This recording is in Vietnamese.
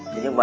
thế nhưng mà